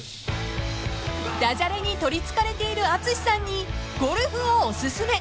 ［ダジャレに取りつかれているＡＴＳＵＳＨＩさんにゴルフをおすすめ］